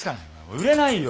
売れないよ。